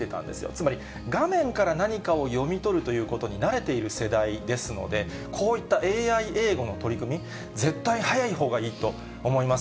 つまり、画面から何かを読み取るということに慣れている世代ですので、こういったＡＩ英語の取り組み、絶対早いほうがいいと思います。